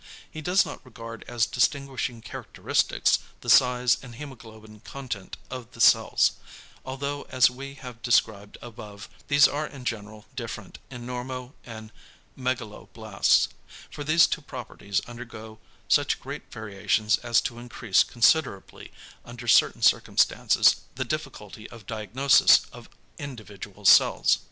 He does not regard as distinguishing characteristics, the size and hæmoglobin content of the cells although as we have described above, these are in general different in normo and megaloblasts for these two properties undergo such great variations as to increase considerably under certain circumstances the difficulty of diagnosis of individual cells.